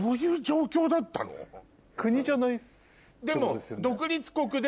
でも。